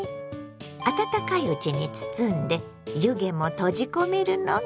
温かいうちに包んで湯気も閉じ込めるのがポイント。